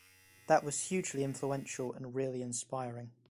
That was hugely influential and really inspiring.